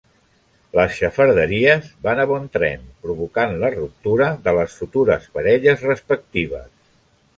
Les xafarderies van a bon tren provocant la ruptura de les futures parelles respectives.